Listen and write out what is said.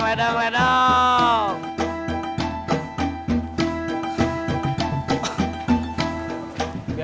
medan medan medan